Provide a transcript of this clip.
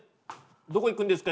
どこ行くんですか？